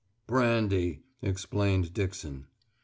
"Brandy," explained Dixon.